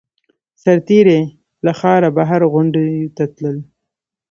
سرتېري له ښاره بهر غونډیو ته تلل.